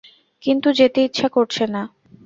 কিন্তু যেতে ইচ্ছে করছে না।